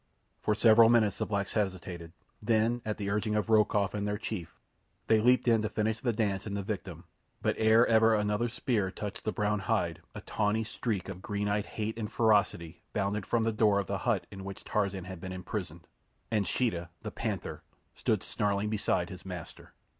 For several minutes the blacks hesitated; then, at the urging of Rokoff and their chief, they leaped in to finish the dance and the victim; but ere ever another spear touched the brown hide a tawny streak of green eyed hate and ferocity bounded from the door of the hut in which Tarzan had been imprisoned, and Sheeta, the panther, stood snarling beside his master.